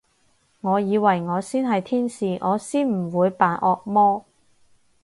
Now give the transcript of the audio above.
我以為我先係天使，我先唔會扮惡魔